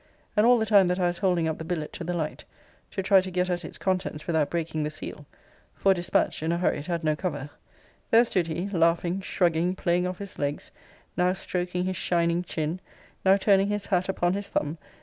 And all the time that I was holding up the billet to the light, to try to get at its contents without breaking the seal, [for, dispatched in a hurry, it had no cover,] there stood he, laughing, shrugging, playing off his legs; now stroking his shining chin, now turning his hat upon his thumb!